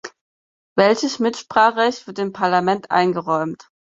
Welches Mitspracherecht wird dem Parlament eingeräumt?